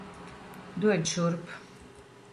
Dod šurp!